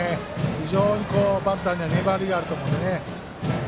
非常にバッターには粘りがあると思うのでね。